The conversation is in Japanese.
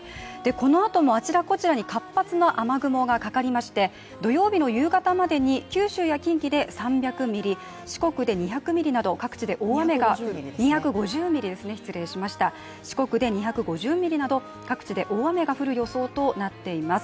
このあともあちらこちらに活発な雨雲がかかりまして土曜日の夕方までに九州や近畿で３００ミリ、四国で２５０ミリなど各地で大雨が降る予想となっています。